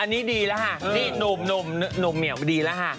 นุ่มนมเหมียวดีนะฮะ